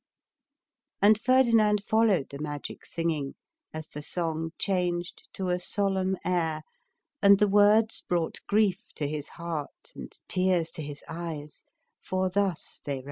And Ferdinand followed the magic singing, as the song changed to a solemn air, and the words brought grief to his heart, and tears to his eyes, for thus they ran — FERDINAND AND MIRANDA.